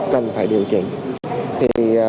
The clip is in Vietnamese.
cần phải điều chỉnh